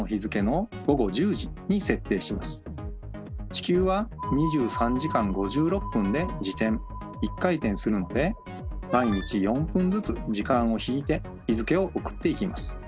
地球は２３時間５６分で自転１回転するので毎日４分ずつ時間を引いて日付を送っていきます。